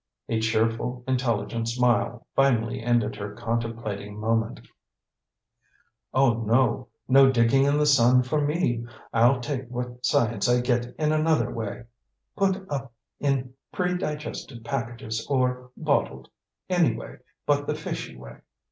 A cheerful, intelligent smile finally ended her contemplating moment. "Oh, no; no digging in the sand for me. I'll take what science I get in another way put up in predigested packages or bottled any way but the fishy way.